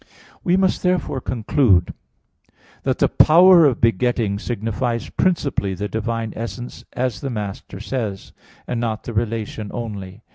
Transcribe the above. We must therefore conclude that the power of begetting signifies principally the divine essence as the Master says (Sent. i, D, vii), and not the relation only.